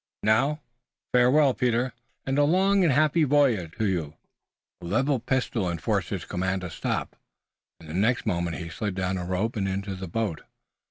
Now, farewell, Peter, and a long and happy voyage to you!" A leveled pistol enforced his command to stop, and the next moment he slid down a rope and into the boat.